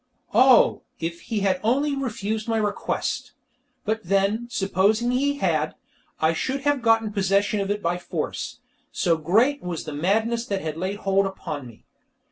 Oh, if he had only refused my request! But then, supposing he had, I should have got possession of it by force, so great was the madness that had laid hold upon me.